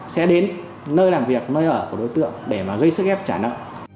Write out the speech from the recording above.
sẽ đến nơi làm việc nơi ở của đối tượng để gây sức ép trả nợ